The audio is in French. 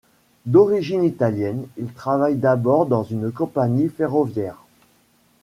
D'origine italienne, il travaille d'abord dans une compagnie ferroviaire.